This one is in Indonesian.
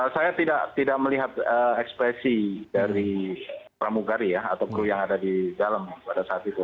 saya tidak melihat ekspresi dari pramugari ya atau kru yang ada di dalam pada saat itu